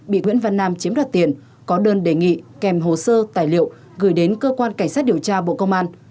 bị nguyễn văn nam chiếm đoạt tiền có đơn đề nghị kèm hồ sơ tài liệu gửi đến cơ quan cảnh sát điều tra bộ công an